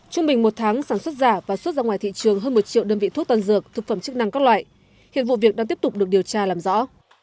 trung bình một tháng sản xuất giả và xuất ra ngoài thị trường hơn một triệu đơn vị thuốc tân dược thực phẩm chức năng các loại hiện vụ việc đang tiếp tục được điều tra làm rõ